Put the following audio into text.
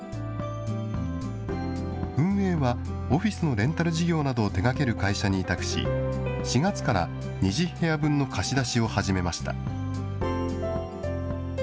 運営は、オフィスのレンタル事業などを手がける会社に委託し、４月から２０部屋分の貸し出しを始めました。